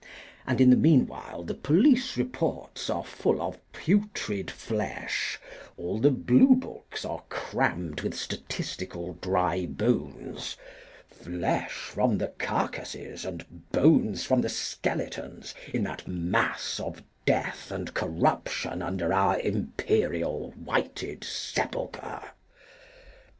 And in the meanwhile the police reports are full of putrid flesh, all the blue books are crammed with statistical dry bones; flesh from the carcases and bones from the skeletons in that mass of death and corruption under our imperial whited sepulchre.